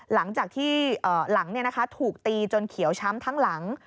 หลังจากที่หลังถูกตีจนเขียวช้ำทั้งหลัง